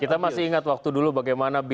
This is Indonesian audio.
kita masih ingat waktu dulu bagaimana